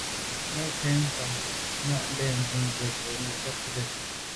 Mə́ cwɛ̌d kwâ’ ncâ bə̀ncìn zə̄ bù bə̂ ntɔ́nə́ ngə́ fâ’.